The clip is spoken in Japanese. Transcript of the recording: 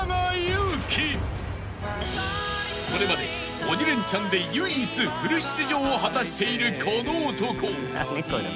［これまで『鬼レンチャン』で唯一フル出場を果たしているこの男］よっしゃ！